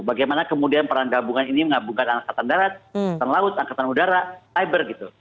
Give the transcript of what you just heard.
bagaimana kemudian peran gabungan ini menggabungkan angkatan darat angkatan laut angkatan udara cyber gitu